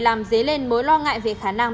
làm dế lên mối lo ngại về khả năng